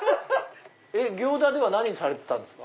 行田では何されてたんですか？